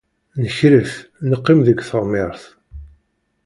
Nekref, neqqim deg teɣmert.